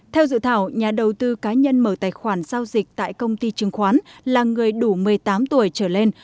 theo dự thảo nhà đầu tư cá nhân mở tài khoản giao dịch tại công ty chứng khoán là người đủ một mươi tám tuổi trở lên